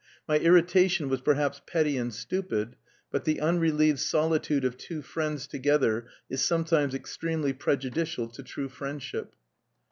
My irritation was perhaps petty and stupid; but the unrelieved solitude of two friends together is sometimes extremely prejudicial to true friendship.